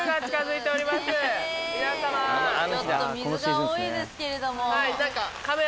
ちょっと水が多いですけれども。